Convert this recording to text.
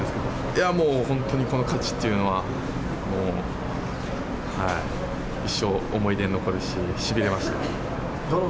いやもう、本当にこの勝ちっていうのはもう、はい、一生思い出に残るし、しびれましたね。